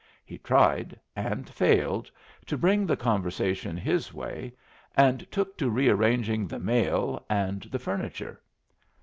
He tried, and failed, to bring the conversation his way, and took to rearranging the mail and the furniture.